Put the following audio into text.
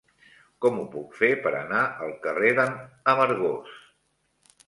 Com ho puc fer per anar al carrer de n'Amargós?